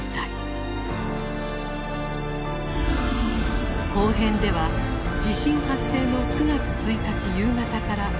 後編では地震発生の９月１日夕方から３日までを追体験する。